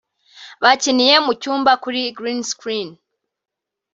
Bakiniye mu cyumba kuri Green Screen